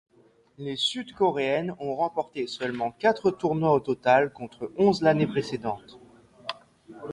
Les Sud-Coréennes ont remporté seulement quatre tournois au total contre onze l'année précédente.